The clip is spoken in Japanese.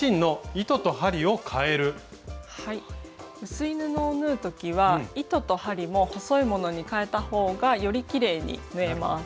薄い布を縫う時は糸と針も細いものにかえた方がよりきれいに縫えます。